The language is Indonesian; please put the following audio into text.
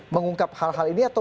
mengungkap hal hal ini atau